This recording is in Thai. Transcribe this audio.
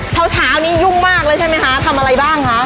เช้าเช้านี้ยุ่งมากเลยใช่ไหมคะทำอะไรบ้างคะ